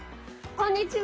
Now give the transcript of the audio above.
こんにちは。